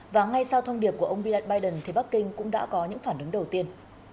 và ngay sau thông điệp của ông biden thì bắc kinh cũng đã có những phản ứng đầu tiên